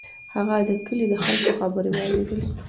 هغه د کلي د خلکو خبرې واورېدلې.